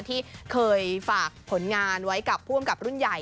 ที่เคยฝากผลงานไว้กับผู้อำกับรุ่นใหญ่